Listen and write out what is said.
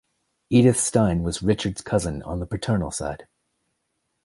Edith Stein was Richard's cousin on the paternal side.